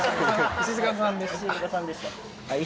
石塚さんでした。